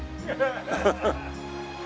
ハハハッ。